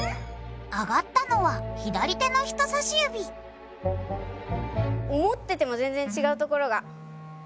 上がったのは左手の人さし指思ってても全然ちがうところが。